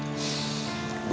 lo pada kenapa